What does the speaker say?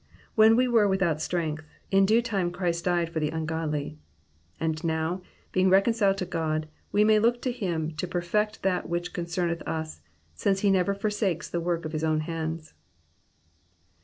When we were without strength, in due time Christ died for the ungodly ;" and now, bein^ reconciled to God, we may look to him to perfect that which concerneth us, since he never forsakes the work of his own hands.